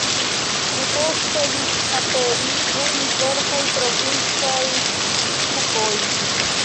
Pli poste li aperis en diversaj provincaj trupoj.